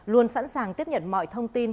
luôn sẵn sàng tiếp nhận mọi thông tin